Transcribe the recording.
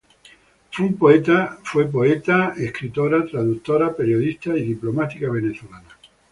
Fue una poeta, escritora, traductora, periodista y diplomática venezolana.